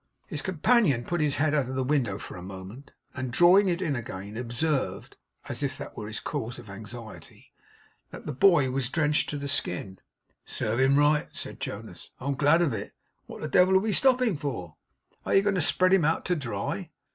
His companion put his head out of window for a moment, and drawing it in again, observed (as if that were his cause of anxiety), that the boy was drenched to the skin. 'Serve him right,' said Jonas. 'I'm glad of it. What the devil are we stopping for? Are you going to spread him out to dry?